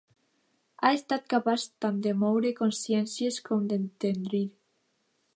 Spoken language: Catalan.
Ha estat capaç tant de moure consciències com d’entendrir.